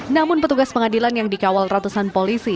namun petugas pengadilan yang dikawal ratusan polisi